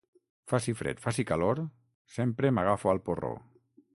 Faci fred, faci calor, sempre m'agafo al porró.